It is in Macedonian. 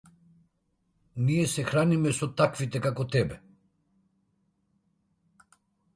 Ние се храниме со таквите како тебе.